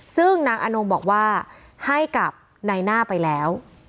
ซึ่งนางอนงบอกว่าให้กับนายหน้าไปแล้ว